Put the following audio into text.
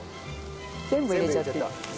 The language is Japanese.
全部入れちゃっていい。